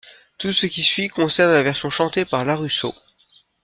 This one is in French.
Tout ce qui suit concerne la version chantée par Larusso.